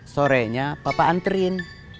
sorenya papa anterin